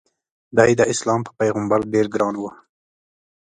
د ی داسلام په پیغمبر ډېر ګران و.